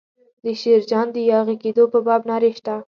د شیرجان د یاغي کېدو په باب نارې شته.